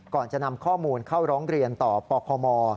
ก่อนจะนำข้อมูลเข้าร้องเรียนต่อปคม